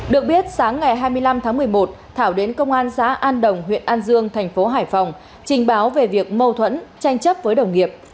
được biết sáng ngày hai mươi năm tháng một mươi một thảo đến công an xã an đồng huyện an dương thành phố hải phòng trình báo về việc mâu thuẫn tranh chấp với đồng nghiệp